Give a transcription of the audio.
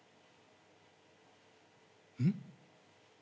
うん？